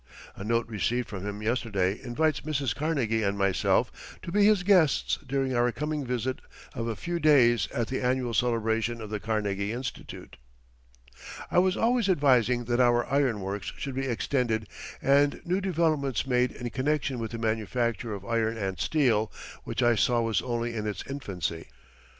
[A note received from him yesterday invites Mrs. Carnegie and myself to be his guests during our coming visit of a few days at the annual celebration of the Carnegie Institute.] I was always advising that our iron works should be extended and new developments made in connection with the manufacture of iron and steel, which I saw was only in its infancy.